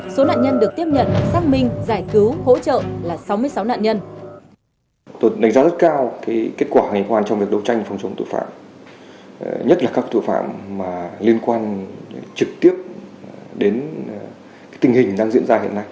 số nạn nhân được tiếp nhận xác minh giải cứu hỗ trợ là sáu mươi sáu nạn nhân